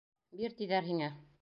Бир, тиҙәр һиңә!